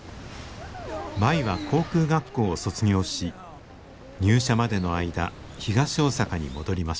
舞は航空学校を卒業し入社までの間東大阪に戻りました。